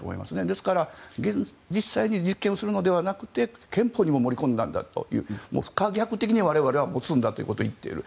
ですから実際に実験をするのではなくて憲法にも盛り込んだんだという不可逆的に我々は持つんだということを言っている。